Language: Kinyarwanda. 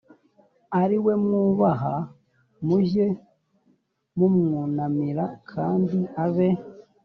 ari we mwubaha mujye mumwunamira kandi abe